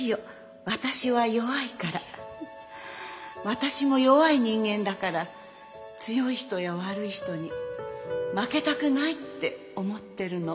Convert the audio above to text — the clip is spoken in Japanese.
私も弱い人間だから強い人や悪い人に負けたくないって思ってるの。